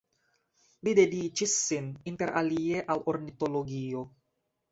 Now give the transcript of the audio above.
Li dediĉis sin inter alie al ornitologio.